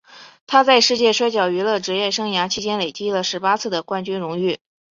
他在世界摔角娱乐职业生涯期间累计了十八次的冠军荣誉。